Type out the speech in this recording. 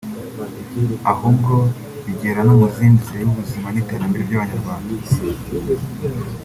ahubwo bigera no mu zindi zireba ubuzima n’iterambere by’Abanyarwanda